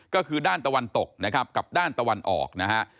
ก็คือด้านตะวันตกนะครับกับด้านตะวันออกนะฮะ